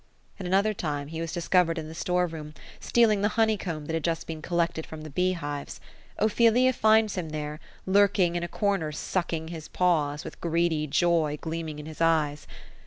At another time, he was discovered in the store room, stealing the honey comb that had just been collected from the bee hives. Ophelia finds him there, lurking in a comer sucking his paws, with greedy joy gleaming in his eyes.